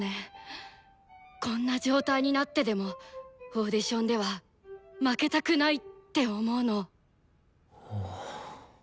こんな状態になってでもオーディションでは「負けたくない！」って思うの。